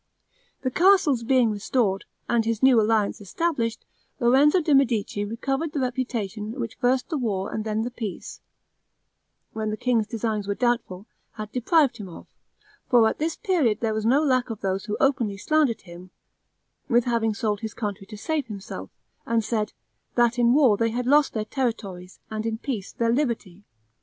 The castles being restored, and this new alliance established, Lorenzo de' Medici recovered the reputation which first the war and then the peace, when the king's designs were doubtful, had deprived him of; for at this period there was no lack of those who openly slandered him with having sold his country to save himself, and said, that in war they had lost their territories, and in peace their liberty.